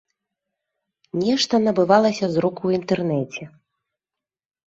Нешта набывалася з рук у інтэрнэце.